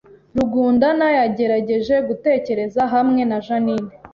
Rugundana yagerageje gutekereza hamwe na Jeaninne